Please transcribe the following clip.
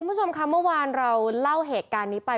คุณผู้ชมค่ะเมื่อวานเราเล่าเหตุการณ์นี้ไป